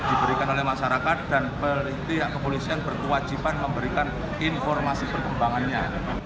diberikan oleh masyarakat dan pihak kepolisian berkewajiban memberikan informasi perkembangannya